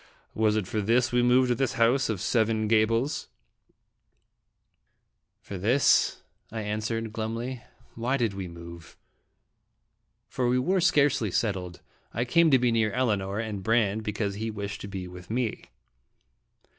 Was it for this we moved to this house of seven gabbles ?"+' "For this," I answered, glumly. "Why did we move?" For we were scarcely settled. I came to be near Elinor, and Brande because he wished to be with me.